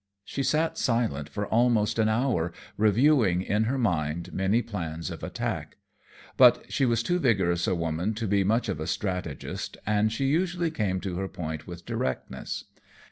She sat silent for almost an hour reviewing in her mind many plans of attack. But she was too vigorous a woman to be much of a strategist, and she usually came to her point with directness.